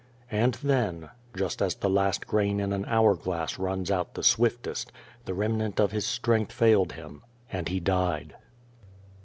And then just as the last grain in an hour glass runs out the swiftest the remnant of his strength failed him, and he died.